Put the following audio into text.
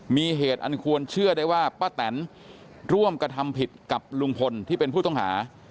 มีเหตุอันควรเชื่อได้ว่าป้าแตนร่วมกระทำผิดกับลุงพลที่เป็นผู้ต้องหา